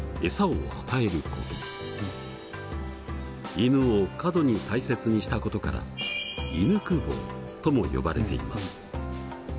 犬を過度に大切にしたことから犬公方とも呼ばれています。